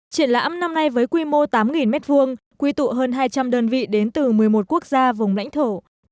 triển lãm năm nay với quy mô tám m hai quy tụ hơn hai trăm linh đơn vị đến từ một mươi một quốc gia vùng lãnh thổ